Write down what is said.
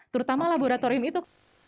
terutama laboratorium itu